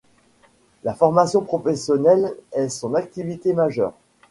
La formation professionnelle est son activité majeure.